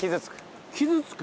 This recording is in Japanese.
傷つく。